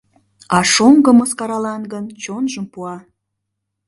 А шоҥго мыскаралан гын чонжым пуа.